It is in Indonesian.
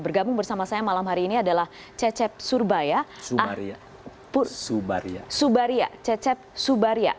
bergabung bersama saya malam hari ini adalah cecep subaria